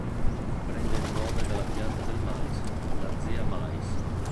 Prende il nome dalla pianta del mais, la "Zea mays".